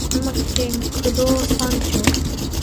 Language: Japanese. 和歌山県九度山町